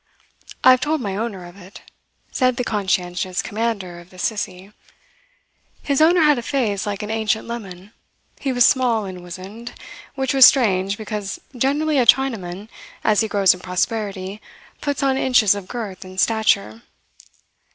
"I have told my owner of it," said the conscientious commander of the Sissie. His owner had a face like an ancient lemon. He was small and wizened which was strange, because generally a Chinaman, as he grows in prosperity, puts on inches of girth and stature.